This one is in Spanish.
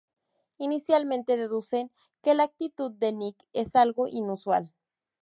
Inicialmente deducen que la actitud de Nick es algo inusual.